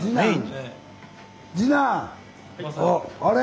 あれ？